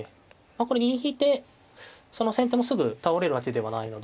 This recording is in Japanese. これ銀引いて先手もすぐ倒れるわけではないので。